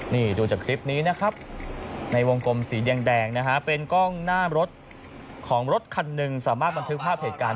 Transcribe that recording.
นี่ดูจากคลิปนี้นะครับในวงกลมสีแดงนะฮะเป็นกล้องหน้ารถของรถคันหนึ่งสามารถบันทึกภาพเหตุการณ์